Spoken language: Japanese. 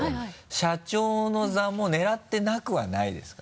社長の座も狙ってなくはないですか？